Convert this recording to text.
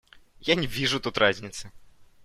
Я не вижу тут разницы.